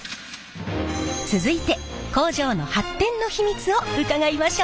続いて工場の発展の秘密を伺いましょう！